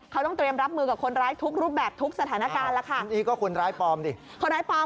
เขาต้องเตรียมรับมือกับคนร้ายทุกรูปแบบทุกสถานการณ์ละค่ะ